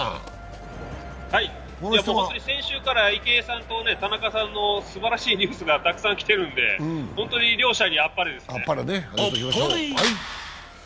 先週から池江さんと田中さんのすばらしいニュースがたくさん来てるんで、両者にあっぱれですね。